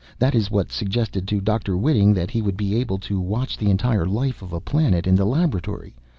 That is what suggested to Dr. Whiting that he would be able to watch the entire life of a planet, in the laboratory.